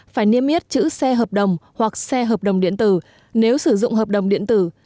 phải niêm yết chữ xe hợp đồng hoặc xe hợp đồng điện tử nếu sử dụng hợp đồng điện tử